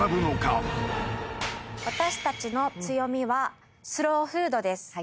私たちの強みはスローフードです。